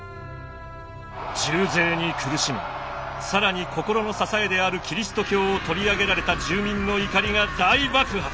重税に苦しみ更に心の支えであるキリスト教を取り上げられた住民の怒りが大爆発。